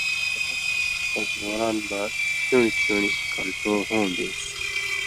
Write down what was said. ݜس دوران مہ چُݨیۡ چُݨیۡ کلٹو ہوں بېن٘سیۡ۔